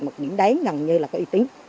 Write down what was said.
một điểm đáng gần như là có y tín